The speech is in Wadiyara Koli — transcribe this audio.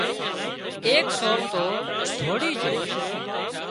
ايڪ سور تو ڌوڙي جھو